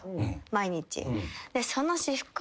毎日。